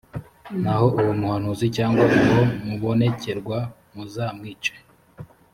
naho uwo muhanuzi cyangwa uwo mubonekerwa, muzamwice